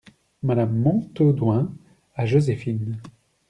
Madame Montaudoin , à Joséphine.